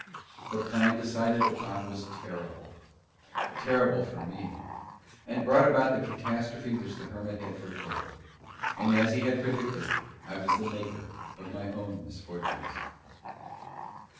The plan decided upon was terrible terrible for me and brought about the catastrophe which the Hermit had foretold; and as he had predicted, I was the maker of my own misfortunes....